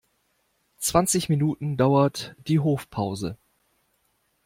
Zwanzig Minuten dauert die Hofpause.